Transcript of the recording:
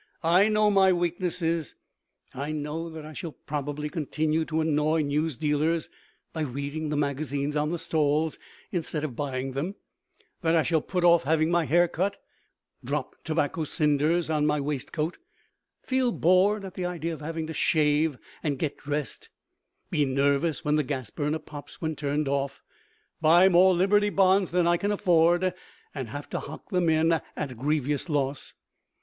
I know my weaknesses. I know that I shall probably continue to annoy newsdealers by reading the magazines on the stalls instead of buying them; that I shall put off having my hair cut; drop tobacco cinders on my waistcoat; feel bored at the idea of having to shave and get dressed; be nervous when the gas burner pops when turned off; buy more Liberty Bonds than I can afford and have to hock them at a grievous loss.